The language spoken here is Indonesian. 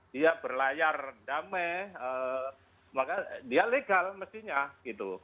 dia berlayar damai maka dia legal mestinya gitu